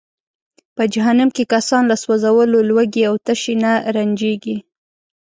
په جهنم کې کسان له سوځولو، لوږې او تشې نه رنجیږي.